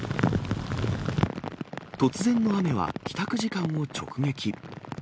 突然の雨は帰宅時間を直撃。